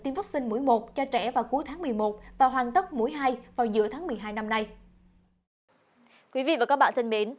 tiêm vaccine mũi một cho trẻ vào cuối tháng một mươi một và hoàn tất mũi hai vào giữa tháng một mươi hai năm nay